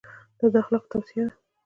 دا د اخلاقو توصیه ده.